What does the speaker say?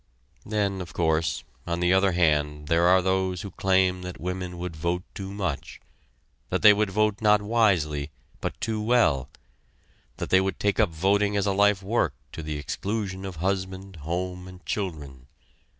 Then, of course, on the other hand there are those who claim that women would vote too much that they would vote not wisely but too well; that they would take up voting as a life work to the exclusion of husband, home and children.